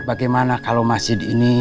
bagaimana kalau masjid ini